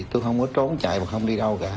tôi không có trốn chạy mà không đi đâu cả